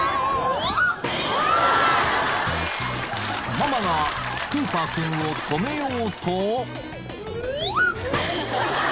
［ママがクーパー君を止めようと］